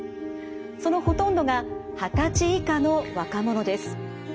そのほとんどが二十歳以下の若者です。